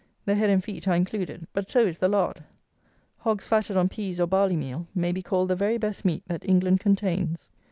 The head and feet are included; but so is the lard. Hogs fatted on peas or barley meal may be called the very best meat that England contains.